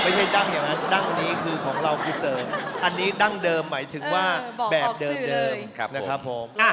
ไม่ใช่ดั้งอย่างนั้นดั้งนี้คือของเราคือเสริมอันนี้ดั้งเดิมหมายถึงว่าแบบเดิมนะครับผม